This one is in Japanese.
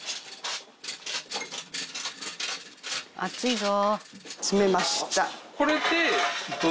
「熱いぞ」